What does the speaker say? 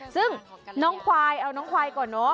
ซึ่งน้องควายเอาน้องควายก่อนเนอะ